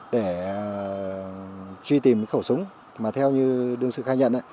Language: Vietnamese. để truy tìm cái khẩu súng mà theo như đương sự khai nhận